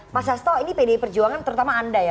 mas hasto ini pdi perjuangan terutama anda ya